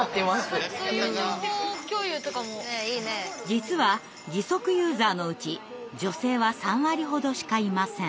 実は義足ユーザーのうち女性は３割ほどしかいません。